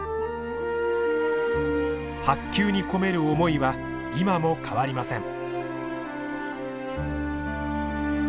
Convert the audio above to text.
白球に込める思いは今も変わりません。